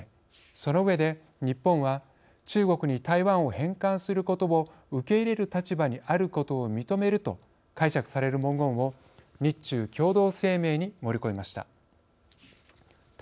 その上で、日本は中国に台湾を返還することを受け入れる立場にあることを認めると解釈される文言を日中共同声明に盛り込みました。